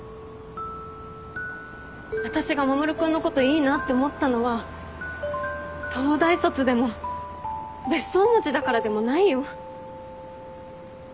私が守君のこといいなって思ったのは東大卒でも別荘持ちだからでもないよ。